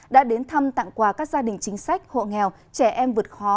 đã đến thăm tặng quà các gia đình chính sách hộ nghèo trẻ em vượt khó